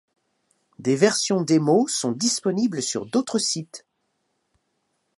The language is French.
Des versions démo sont disponibles sur d'autres sites.